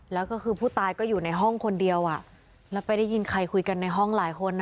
แล้วก็คือผู้ตายก็อยู่ในห้องคนเดียวแล้วไปได้ยินใครคุยกันในห้องหลายคนนะ